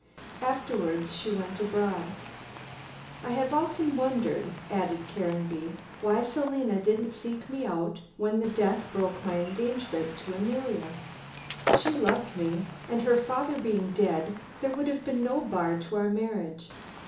Afterwards she went abroad. I have often wondered," added Caranby, "why Selina didn't seek me out when death broke my engagement to Emilia. She loved me, and her father being dead, there would have been no bar to our marriage.